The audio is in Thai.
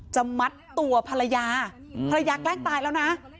จะมัดตัวภรรยาภรรยาแกล้งตายแล้วนะ